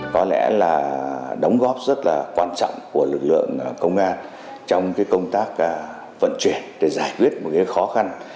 có lẽ là đóng góp rất là quan trọng của lực lượng công an trong công tác vận chuyển để giải quyết một khó khăn